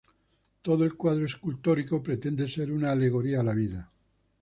Todo el cuadro escultórico pretende ser una alegoría a la vida.